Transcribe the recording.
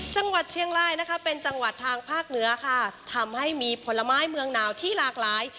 จังหวัดเชียงรายนะคะเป็นจังหวัดทางภาคเหนือค่ะทำให้มีผลไม้เมืองหนาวที่หลากหลาย